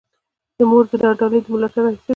د مور دا ډالۍ د ملاتړ حیثیت لري.